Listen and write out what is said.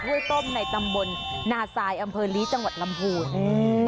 ต้มในตำบลนาซายอำเภอลีจังหวัดลำพูนอืม